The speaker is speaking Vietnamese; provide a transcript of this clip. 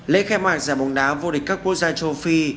lễ khai mạc giải bóng đá vô địch các quốc gia châu phi